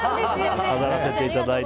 飾らせていただいて。